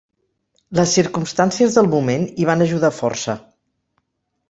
Les circumstàncies del moment hi van ajudar força.